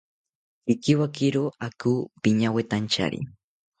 Pikiwakiro ako piñawetantyari